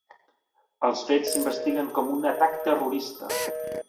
Els fets s’investiguen com un atac terrorista.